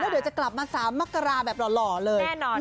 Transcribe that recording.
แล้วเดี๋ยวจะกลับมาสามารกราแบบหล่อเลยแน่นอน